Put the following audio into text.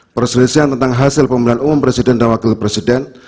perselisihan tentang hasil pemilihan umum presiden dan wakil presiden